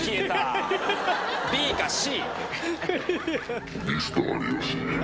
ＢかＣ。